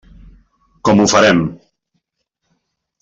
Com ho farem?